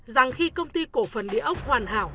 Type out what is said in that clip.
rằng khi công ty cổ phần địa ốc hoàn hảo